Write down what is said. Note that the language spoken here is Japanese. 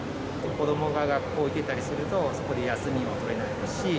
子どもが学校行ってたりすると、そこで休みも取れないし。